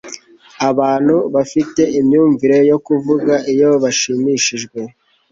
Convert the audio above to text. abantu bafite imyumvire yo kuvuga iyo bashimishijwe